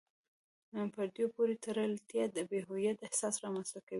پردیو پورې تړلتیا د بې هویتۍ احساس رامنځته کوي.